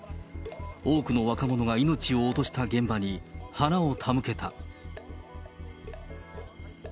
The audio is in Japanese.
多くの若者が命を落とした現場に、花を手向けた。